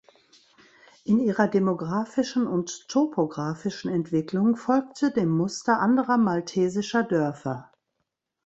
In ihrer demografischen und topografischen Entwicklung folgte dem Muster anderer maltesischer Dörfer.